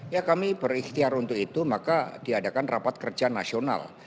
ya kami berikhtiar untuk itu maka diadakan rapat kerja nasional